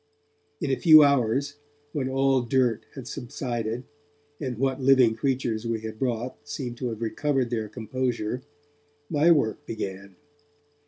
In a few hours, when all dirt had subsided, and what living creatures we had brought seemed to have recovered their composure, my work began.